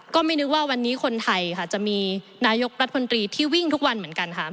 ก็ไม่นึกว่าวันนี้คนไทยค่ะจะมีนายกรัฐมนตรีที่วิ่งทุกวันเหมือนกันค่ะ